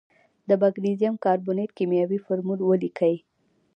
د مګنیزیم کاربونیټ کیمیاوي فورمول ولیکئ.